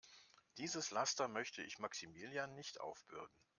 Dieses Laster möchte ich Maximilian nicht aufbürden.